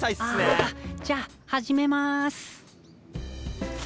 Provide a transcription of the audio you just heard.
あじゃあ始めます。